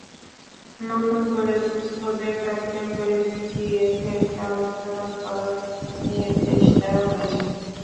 নতুন করে দুস্থদের তালিকা করে ভিজিএফের চাল বিতরণ করার নির্দেশ দেওয়া হয়েছে।